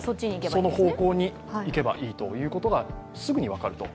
その方向に行けばいいということが、すぐに分かると。